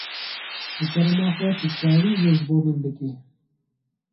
Ji kerema xwe tu dikarî vê ji bo min bikî?